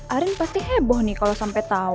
arin pasti heboh nih kalo sampe tau